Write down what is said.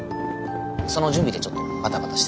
その準備でちょっとバタバタしてて。